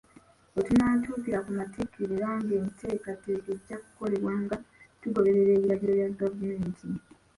We tunaatuukira ku Matikkira era enteekateeka ejja kukolebwa nga tugoberera ebiragiro bya gavumenti.